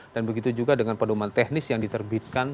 dan begitu juga dengan pendorongan teknis yang diterbitkan